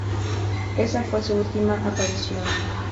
Esa fue su última aparición.